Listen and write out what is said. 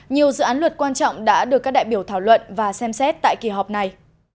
nhiều dự án luật quan trọng đã được các đại biểu thảo luận và xem xét tại kỳ họp này